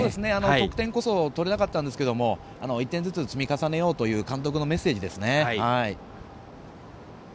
得点こそ取れなかったですけど１点ずつ、積み重ねようという監督のメッセージですね。